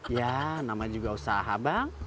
ya namanya juga usaha bang